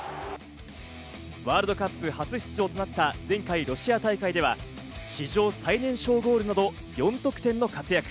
ワールドカップ初出場となった前回ロシア大会では史上最年少ゴールなど、４得点の活躍。